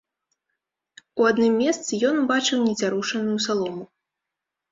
У адным месцы ён убачыў нацярушаную салому.